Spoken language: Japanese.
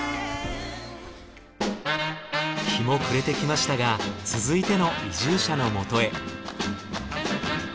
日も暮れてきましたが続いての移住者のもとへ。